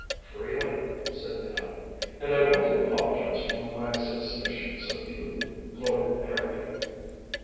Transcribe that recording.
"Freely," said Minot. "And I want to apologize for my suspicions of you, Lord Harrowby."